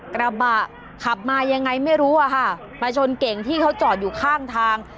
กระบะขับมายังไงไม่รู้อะค่ะมาชนเก่งที่เขาจอดอยู่ข้างทาง